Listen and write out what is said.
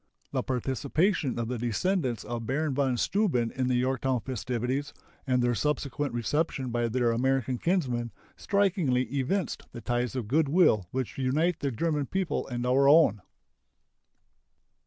The participation of the descendants of Baron von Steuben in the Yorktown festivities, and their subsequent reception by their American kinsmen, strikingly evinced the ties of good will which unite the German people and our own.